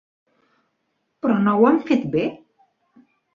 Però no han fet bé?